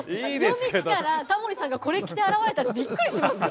夜道からタモリさんがこれ着て現れたらちょっとビックリしますよ。